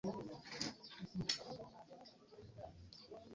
Amategula bagozesa kusreka nju .